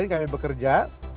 kita sudah mulai bekerja